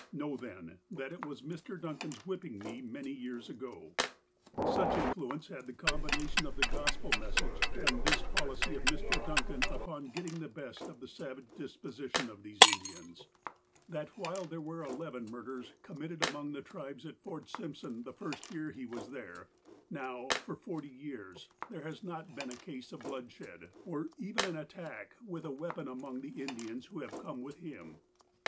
''Know then, that it was Mr. Duncan's whipping me many years ago." Such influence had the combination of the Gospel mes sage, and this policy of Mr. Duncan upon getting the best of the savage disposition of these Indians, that while 204 THE APOSTLE OF ALASKA there were eleven murders committed among the tribes at Fort Simpson the first year he was there, now, for forty years, there has not been a case of bloodshed, or even an attack with a weapon among the Indians who have come with him.